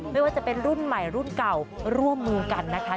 ไม่ว่าจะเป็นรุ่นใหม่รุ่นเก่าร่วมมือกันนะคะ